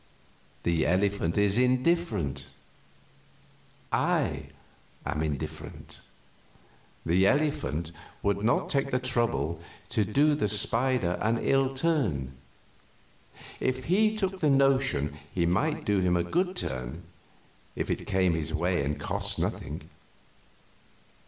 The elephant is indifferent; I am indifferent. The elephant would not take the trouble to do the spider an ill turn; if he took the notion he might do him a good turn, if it came in his way and cost nothing.